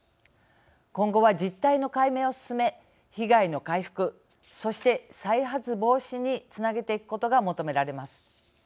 今後は実態の解明を進め被害の回復、そして再発防止につなげていくことが求められます。